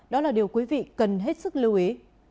đó là điều quý vị cần hết sức lưu ý